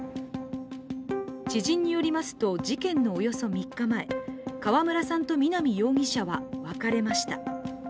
知人によりますと、事件のおよそ３日前川村さんと南容疑者は別れました。